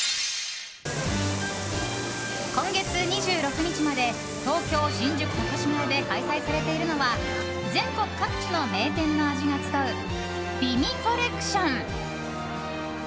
今月２６日まで東京・新宿高島屋で開催されているのは全国各地の名店の味が集う美味コレクション。